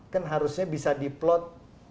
kan harusnya bisa di plot